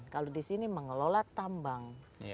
kalau di sini mengelola tambang